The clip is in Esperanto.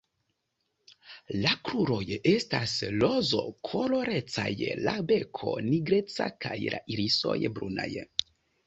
La kruroj estas rozkolorecaj, la beko nigreca kaj la irisoj brunaj.